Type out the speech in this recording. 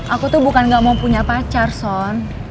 aku tuh bukan gak mau punya pacar son